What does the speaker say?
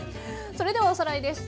それではおさらいです。